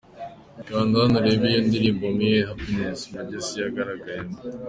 Kanda hano urebe iyo ndirimbo Millen Happiness Magese yagaragayemo.